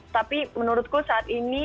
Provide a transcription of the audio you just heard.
tapi menurutku saat ini